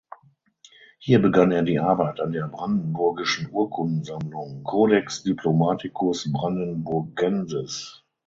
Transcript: Hier begann er die Arbeit an der brandenburgischen Urkundensammlung "Codex diplomaticus Brandenburgensis".